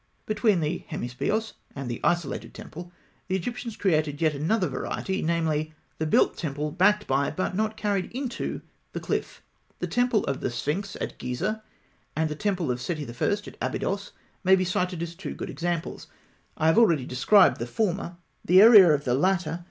Between the hemi speos and the isolated temple, the Egyptians created yet another variety, namely, the built temple backed by, but not carried into, the cliff. The temple of the sphinx at Gizeh, and the temple of Seti I. at Abydos, may be cited as two good examples. I have already described the former; the area of the latter (fig.